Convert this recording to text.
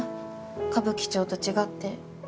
歌舞伎町と違って。